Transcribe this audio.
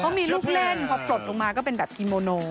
เขามีลูกเล่นพอปลดลงมาก็เป็นแบบคีโมโน